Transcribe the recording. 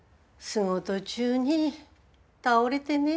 仕事中に倒れてね。